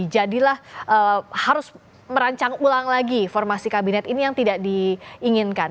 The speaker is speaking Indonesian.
jadilah harus merancang ulang lagi formasi kabinet ini yang tidak diinginkan